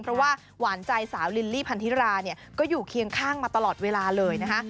เพราะว่าหวานใจสาวลิลลี่พันธิราเนี่ยก็อยู่เคียงข้างมาตลอดเวลาเลยนะคะ